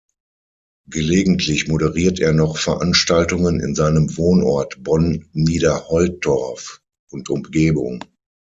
Gelegentlich moderiert er noch Veranstaltungen in seinem Wohnort Bonn-Niederholtorf und Umgebung.